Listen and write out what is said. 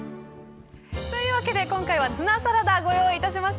というわけで今回はツナサラダをご用意いたしました。